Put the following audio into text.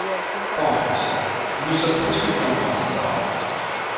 Pas en France. Nous ne sommes presque plus en France, Sara.